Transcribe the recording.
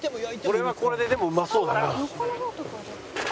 これはこれででもうまそうだな。